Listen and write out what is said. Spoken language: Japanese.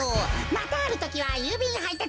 またあるときはゆうびんはいたついん。